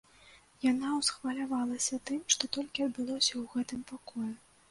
Яна ўсхвалявалася тым, што толькі адбылося ў гэтым пакоі.